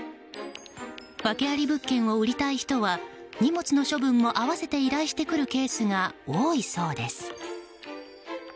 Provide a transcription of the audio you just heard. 訳あり物件を売りたい人は荷物の処分も合わせて依頼してくるケースが多いそうです。